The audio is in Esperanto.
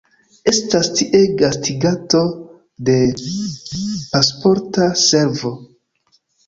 Estas tie gastiganto de Pasporta Servo.